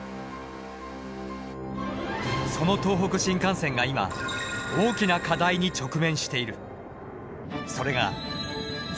その東北新幹線が今大きな課題に直面している。